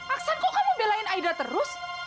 aksen kok kamu belain aida terus